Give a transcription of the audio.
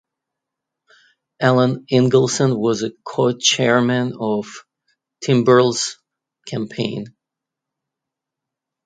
Alan Eagleson was a co-chairman of Timbrell's campaign.